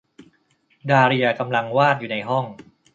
ดาเลียกำลังวาดอยู่ในห้อง